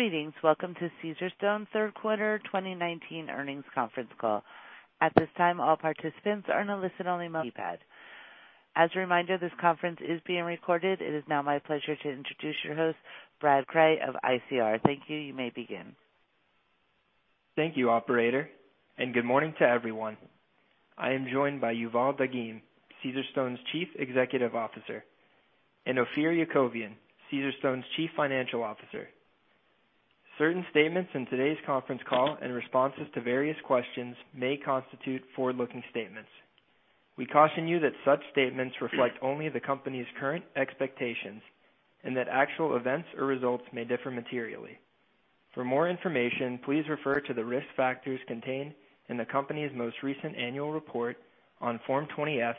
Greetings. Welcome to Caesarstone third quarter 2019 earnings conference call. At this time, all participants are in a listen-only mode. As a reminder, this conference is being recorded. It is now my pleasure to introduce your host, Brad Cray of ICR. Thank you. You may begin. Thank you, operator, and good morning to everyone. I am joined by Yuval Dagim, Caesarstone's Chief Executive Officer, and Ophir Yakovian, Caesarstone's Chief Financial Officer. Certain statements in today's conference call and responses to various questions may constitute forward-looking statements. We caution you that such statements reflect only the company's current expectations, and that actual events or results may differ materially. For more information, please refer to the risk factors contained in the company's most recent annual report on Form 20-F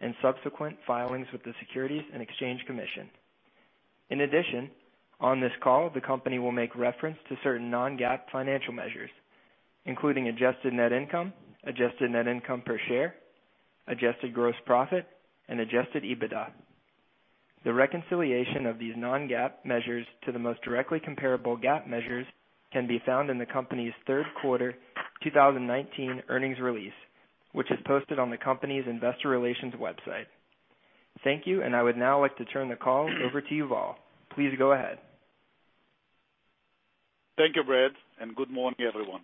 and subsequent filings with the Securities and Exchange Commission. In addition, on this call, the company will make reference to certain non-GAAP financial measures, including adjusted net income, adjusted net income per share, adjusted gross profit, and adjusted EBITDA. The reconciliation of these non-GAAP measures to the most directly comparable GAAP measures can be found in the company's third quarter 2019 earnings release, which is posted on the company's investor relations website. Thank you, and I would now like to turn the call over to Yuval. Please go ahead. Thank you, Brad, and good morning, everyone.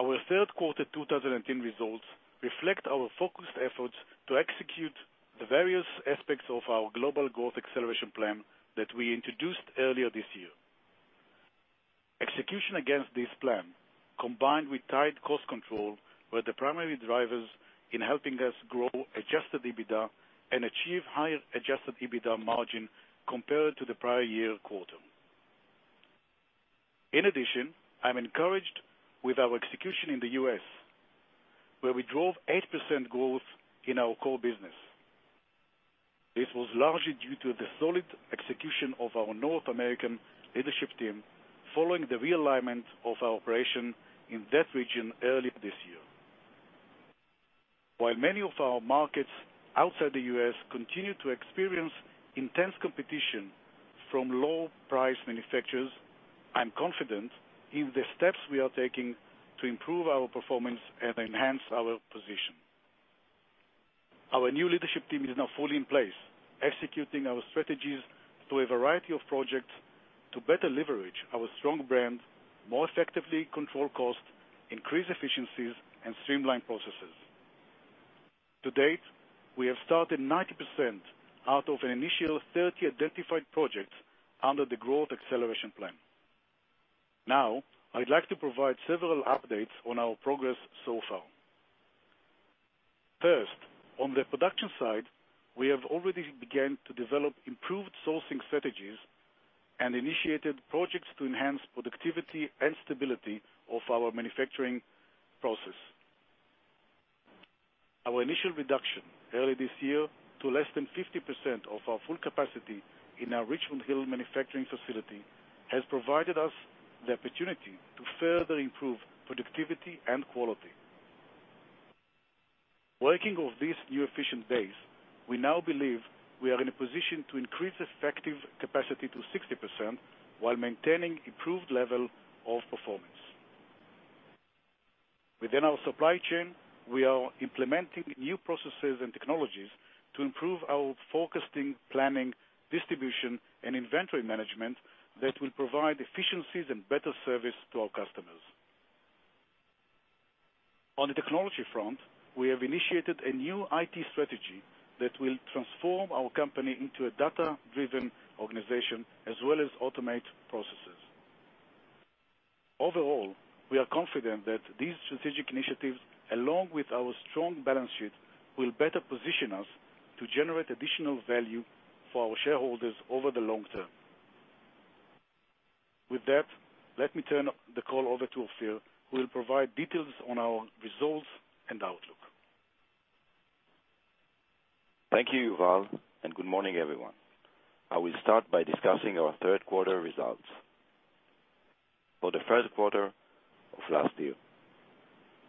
Our third quarter 2019 results reflect our focused efforts to execute the various aspects of our global growth acceleration plan that we introduced earlier this year. Execution against this plan, combined with tight cost control, were the primary drivers in helping us grow adjusted EBITDA and achieve higher adjusted EBITDA margin compared to the prior year quarter. In addition, I'm encouraged with our execution in the U.S., where we drove 8% growth in our core business. This was largely due to the solid execution of our North American leadership team following the realignment of our operation in that region earlier this year. While many of our markets outside the U.S. continue to experience intense competition from low price manufacturers, I'm confident in the steps we are taking to improve our performance and enhance our position. Our new leadership team is now fully in place, executing our strategies through a variety of projects to better leverage our strong brand, more effectively control cost, increase efficiencies, and streamline processes. To date, we have started 90% out of an initial 30 identified projects under the Growth Acceleration Plan. Now, I'd like to provide several updates on our progress so far. First, on the production side, we have already began to develop improved sourcing strategies and initiated projects to enhance productivity and stability of our manufacturing process. Our initial reduction earlier this year to less than 50% of our full capacity in our Richmond Hill manufacturing facility has provided us the opportunity to further improve productivity and quality. Working off these new efficient base, we now believe we are in a position to increase effective capacity to 60% while maintaining improved level of performance. Within our supply chain, we are implementing new processes and technologies to improve our forecasting, planning, distribution, and inventory management that will provide efficiencies and better service to our customers. On the technology front, we have initiated a new IT strategy that will transform our company into a data-driven organization as well as automate processes. Overall, we are confident that these strategic initiatives, along with our strong balance sheet, will better position us to generate additional value for our shareholders over the long term. With that, let me turn the call over to Ophir, who will provide details on our results and outlook. Thank you, Yuval, and good morning, everyone. I will start by discussing our third quarter results. For the first quarter of last year,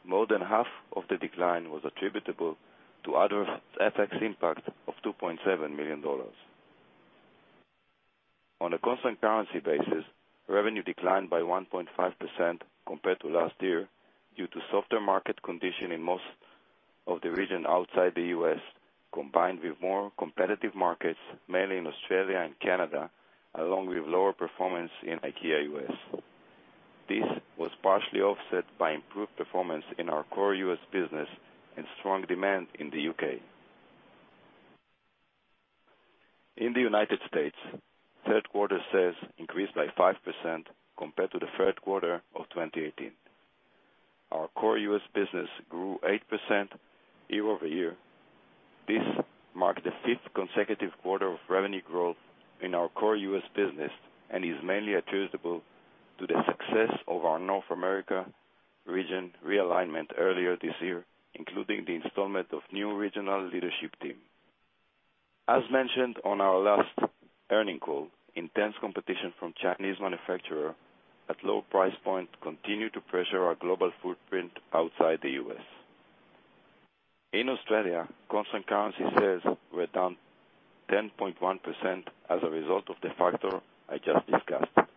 more than half of the decline was attributable to adverse FX impact of $2.7 million. On a constant currency basis, revenue declined by 1.5% compared to last year due to softer market condition in most of the region outside the U.S., combined with more competitive markets, mainly in Australia and Canada, along with lower performance in IKEA U.S. This was partially offset by improved performance in our core U.S. business and strong demand in the U.K. In the United States, third quarter sales increased by 5% compared to the third quarter of 2018. Our core U.S. business grew 8% year-over-year. This marked the fifth consecutive quarter of revenue growth in our core U.S. business and is mainly attributable to the success of our North America Region Realignment earlier this year, including the installation of new regional leadership team. As mentioned on our last earnings call, intense competition from Chinese manufacturer at low price point continue to pressure our global footprint outside the U.S. In Australia, constant currency sales were down 10.1% as a result of the factors I just discussed,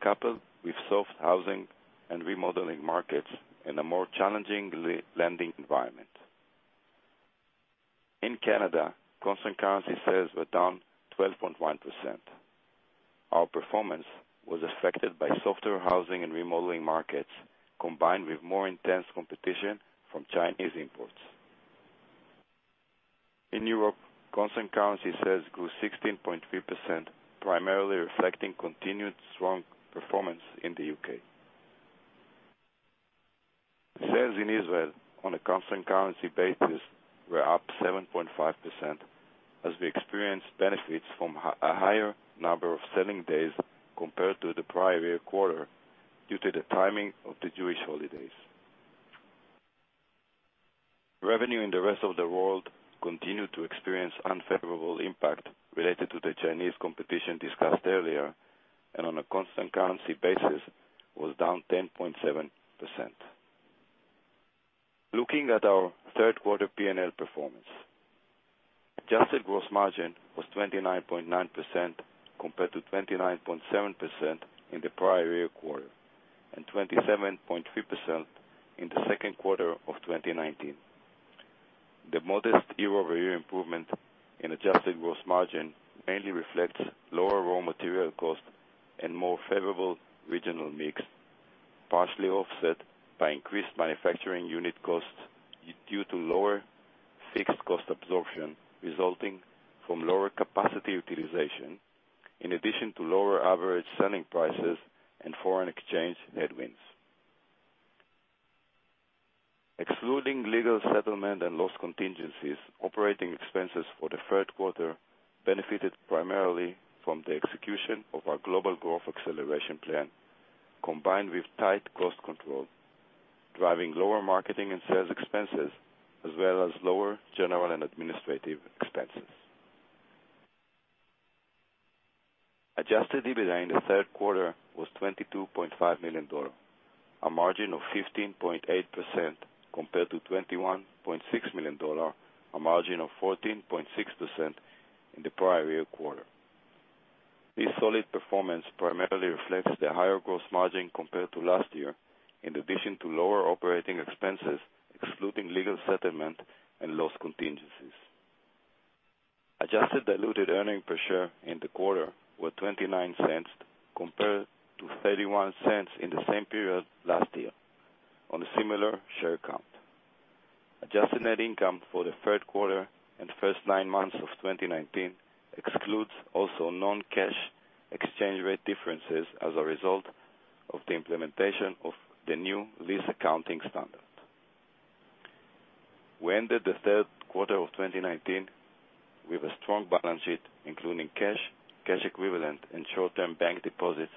coupled with soft housing and remodeling markets in a more challenging lending environment. In Canada, constant currency sales were down 12.1%. Our performance was affected by softer housing and remodeling markets, combined with more intense competition from Chinese imports. In Europe, constant currency sales grew 16.3%, primarily reflecting continued strong performance in the U.K. Sales in Israel on a constant currency basis were up 7.5%, as we experienced benefits from a higher number of selling days compared to the prior year quarter due to the timing of the Jewish holidays. Revenue in the rest of the world continued to experience unfavorable impact related to the Chinese competition discussed earlier, and on a constant currency basis, was down 10.7%. Looking at our third quarter P&L performance. Adjusted gross margin was 29.9%, compared to 29.7% in the prior year quarter, and 27.3% in the second quarter of 2019. The modest year-over-year improvement in adjusted gross margin mainly reflects lower raw material cost and more favorable regional mix, partially offset by increased manufacturing unit costs due to lower fixed cost absorption resulting from lower capacity utilization, in addition to lower average selling prices and foreign exchange headwinds. Excluding legal settlement and loss contingencies, operating expenses for the third quarter benefited primarily from the execution of our global growth acceleration plan, combined with tight cost control, driving lower marketing and sales expenses, as well as lower general and administrative expenses. Adjusted EBITDA in the third quarter was $22.5 million, a margin of 15.8%, compared to $21.6 million, a margin of 14.6% in the prior year quarter. This solid performance primarily reflects the higher gross margin compared to last year, in addition to lower operating expenses, excluding legal settlement and loss contingencies. Adjusted diluted earnings per share in the quarter were $0.29 compared to $0.31 in the same period last year on a similar share count. Adjusted net income for the third quarter and first nine months of 2019 excludes also non-cash exchange rate differences as a result of the implementation of the new lease accounting standard. We ended the third quarter of 2019 with a strong balance sheet, including cash equivalent, and short-term bank deposits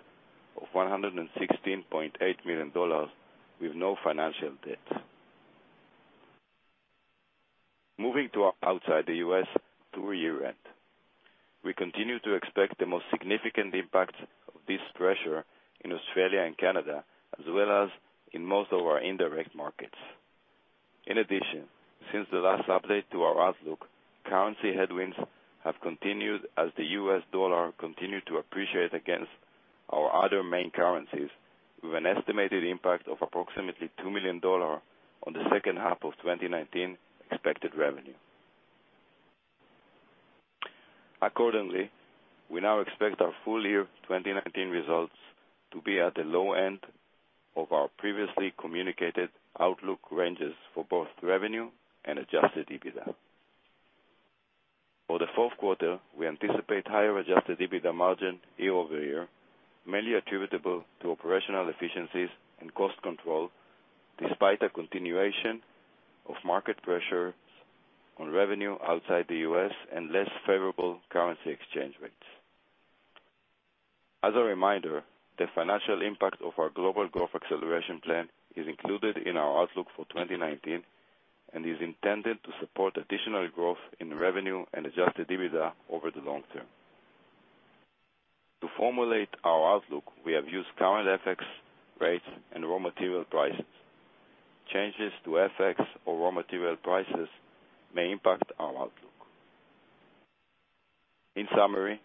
of $116.8 million with no financial debts. Moving to outside the U.S. to year end. We continue to expect the most significant impact of this pressure in Australia and Canada, as well as in most of our indirect markets. In addition, since the last update to our outlook, currency headwinds have continued as the U.S. dollar continued to appreciate against our other main currencies, with an estimated impact of approximately $2 million on the second half of 2019 expected revenue. Accordingly, we now expect our full year 2019 results to be at the low end of our previously communicated outlook ranges for both revenue and adjusted EBITDA. For the fourth quarter, we anticipate higher adjusted EBITDA margin year-over-year, mainly attributable to operational efficiencies and cost control, despite a continuation of market pressures on revenue outside the U.S. and less favorable currency exchange rates. As a reminder, the financial impact of our global growth acceleration plan is included in our outlook for 2019 and is intended to support additional growth in revenue and adjusted EBITDA over the long term. To formulate our outlook, we have used current FX rates and raw material prices. Changes to FX or raw material prices may impact our outlook. In summary,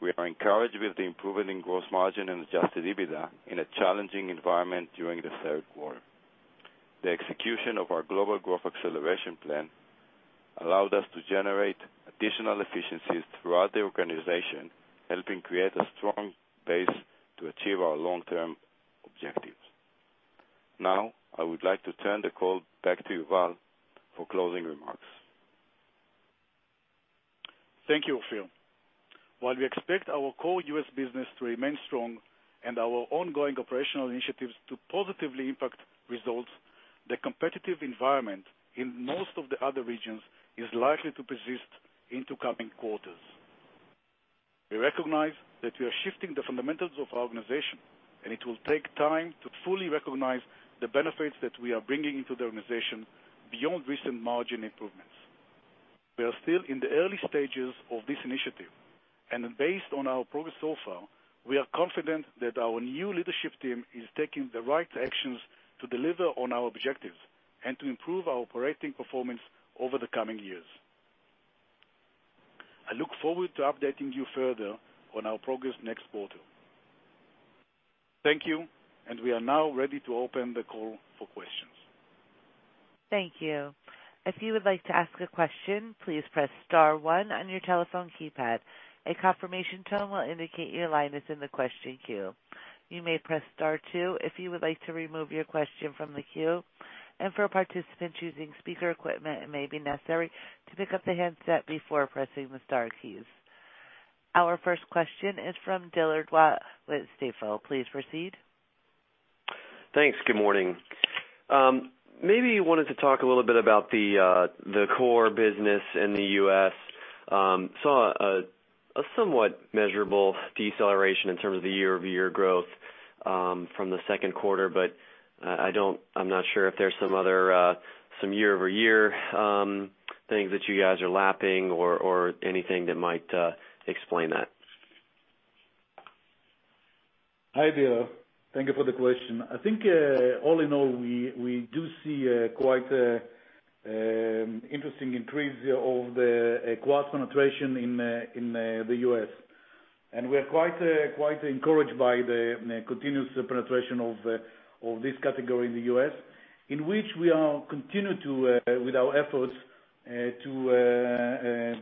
we are encouraged with the improvement in gross margin and adjusted EBITDA in a challenging environment during the third quarter. The execution of our global growth acceleration plan allowed us to generate additional efficiencies throughout the organization, helping create a strong base to achieve our long-term objectives. I would like to turn the call back to Yuval for closing remarks. Thank you, Ofir. While we expect our core U.S. business to remain strong and our ongoing operational initiatives to positively impact results, the competitive environment in most of the other regions is likely to persist into coming quarters. We recognize that we are shifting the fundamentals of our organization, and it will take time to fully recognize the benefits that we are bringing into the organization beyond recent margin improvements. We are still in the early stages of this initiative. Based on our progress so far, we are confident that our new leadership team is taking the right actions to deliver on our objectives and to improve our operating performance over the coming years. I look forward to updating you further on our progress next quarter. Thank you. We are now ready to open the call for questions. Thank you. If you would like to ask a question, please press star 1 on your telephone keypad. A confirmation tone will indicate your line is in the question queue. You may press star 2 if you would like to remove your question from the queue. For a participant choosing speaker equipment, it may be necessary to pick up the handset before pressing the star keys. Our first question is from Dillard with Stifel. Please proceed. Thanks. Good morning. Maybe you wanted to talk a little bit about the core business in the U.S. Saw a somewhat measurable deceleration in terms of the year-over-year growth from the second quarter, but I'm not sure if there's some year-over-year things that you guys are lapping or anything that might explain that. Hi, Dillard. Thank you for the question. I think, all in all, we do see a quite interesting increase of the quartz penetration in the U.S. We are quite encouraged by the continuous penetration of this category in the U.S., in which we are continue with our efforts to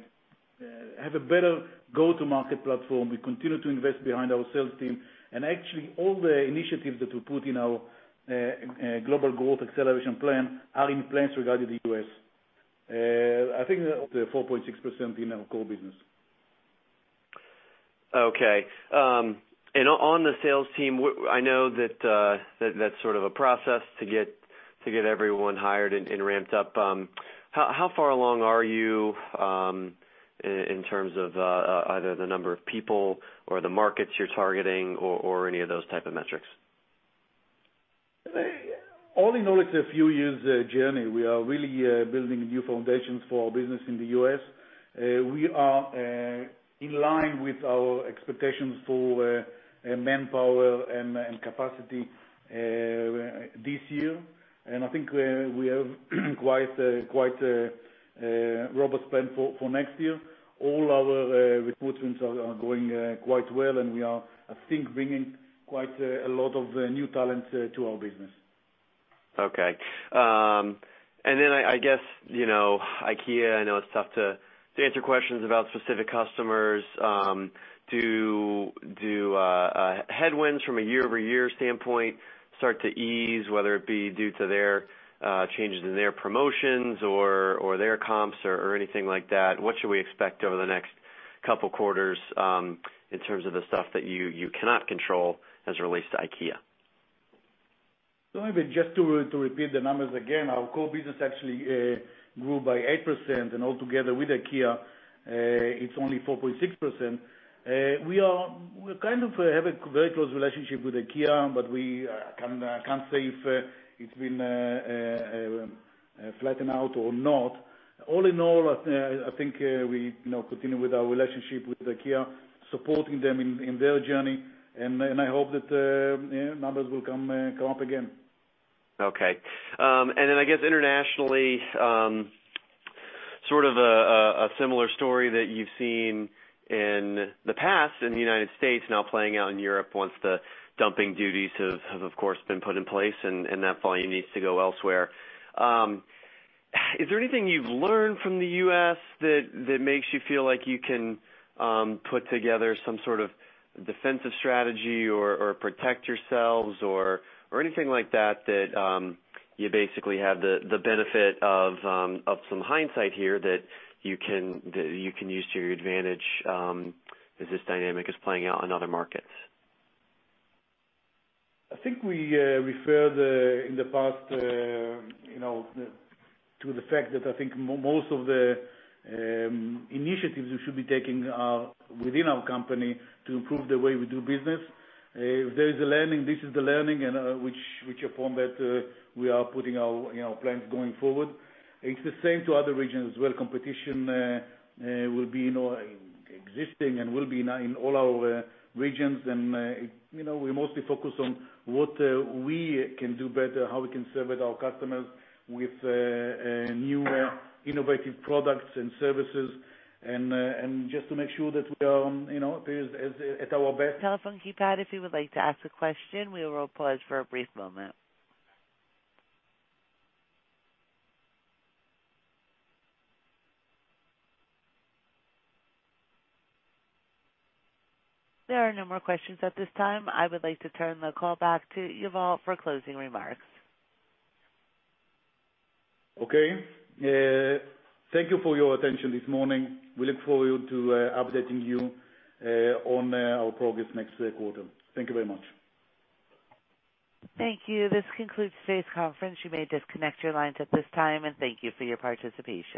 have a better go-to market platform. We continue to invest behind our sales team, and actually, all the initiatives that we put in our global growth acceleration plan are in plans regarding the U.S. I think up to 4.6% in our core business. Okay. On the sales team, I know that's sort of a process to get everyone hired and ramped up. How far along are you, in terms of either the number of people or the markets you're targeting or any of those type of metrics? All in all, it's a few years journey. We are really building new foundations for our business in the U.S. We are in line with our expectations for manpower and capacity this year, and I think we have quite a robust plan for next year. All our recruitments are going quite well, and we are, I think, bringing quite a lot of new talents to our business. Okay. I guess IKEA, I know it's tough to answer questions about specific customers. Do headwinds from a year-over-year standpoint start to ease, whether it be due to their changes in their promotions or their comps or anything like that? What should we expect over the next couple quarters in terms of the stuff that you cannot control as it relates to IKEA? Maybe just to repeat the numbers again, our core business actually grew by 8%, and altogether with IKEA, it's only 4.6%. We kind of have a very close relationship with IKEA, but we can't say if it's been flattened out or not. All in all, I think we continue with our relationship with IKEA, supporting them in their journey, and I hope that numbers will come up again. Okay. I guess internationally, sort of a similar story that you've seen in the past in the U.S. now playing out in Europe once the dumping duties have, of course, been put in place, and that volume needs to go elsewhere. Is there anything you've learned from the U.S. that makes you feel like you can put together some sort of defensive strategy or protect yourselves or anything like that you basically have the benefit of some hindsight here that you can use to your advantage, as this dynamic is playing out in other markets? I think we referred in the past to the fact that I think most of the initiatives we should be taking are within our company to improve the way we do business. If there is a learning, this is the learning, which are formed that we are putting our plans going forward. It's the same to other regions as well. Competition will be existing and will be now in all our regions. We mostly focus on what we can do better, how we can serve our customers with new innovative products and services, and just to make sure that we are at our best. Telephone keypad, if you would like to ask a question. We will pause for a brief moment. There are no more questions at this time. I would like to turn the call back to Yuval for closing remarks. Okay. Thank you for your attention this morning. We look forward to updating you on our progress next quarter. Thank you very much. Thank you. This concludes today's conference. You may disconnect your lines at this time. Thank you for your participation.